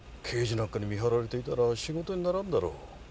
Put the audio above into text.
刑事なんかに見張られていたら仕事にならんだろ？